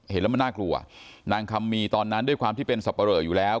เห็นแล้วมันน่ากลัวนางคำมีตอนนั้นด้วยความที่เป็นสับปะเหลออยู่แล้ว